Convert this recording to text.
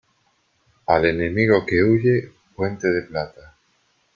Al enemigo que huye, puente de plata.